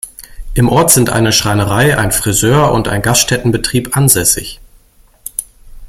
Im Ort sind eine Schreinerei, ein Frisör und ein Gaststättenbetrieb ansässig.